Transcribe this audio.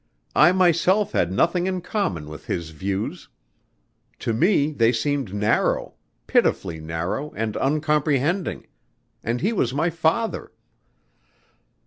I myself had nothing in common with his views. To me they seemed narrow pitifully narrow and uncomprehending and he was my father.